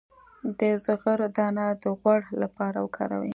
د زغر دانه د غوړ لپاره وکاروئ